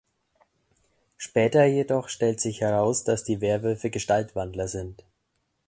Später jedoch stellt sich heraus, dass die Werwölfe Gestaltwandler sind.